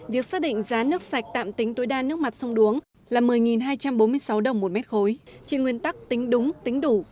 việc xác định giá nước sạch tạm tính tối đa nước mặt sông đuống là một mươi hai trăm bốn mươi sáu đồng một mét khối trên nguyên tắc tính đúng tính đủ